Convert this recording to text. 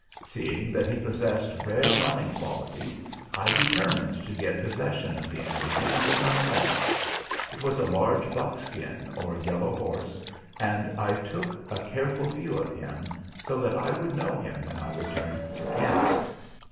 Seeing that he possessed rare running qualities, I determined to get possession of the animal in some way. It was a large buckskin or yellow horse, and I took a careful view of him, so that I would know him when I returned to camp.